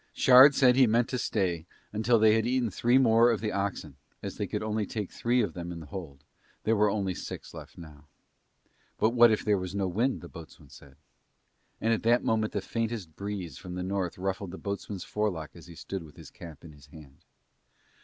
Shard said he meant to stay until they had eaten three more of the oxen as they could only take three of them in the hold, there were only six left now. But what if there was no wind, the boatswain said. And at that moment the faintest breeze from the North ruffled the boatswain's forelock as he stood with his cap in his hand.